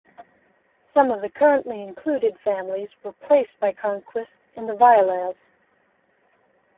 Some of the currently included families were placed by Cronquist in the Violales.